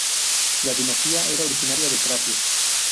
La dinastía era originaria de Tracia.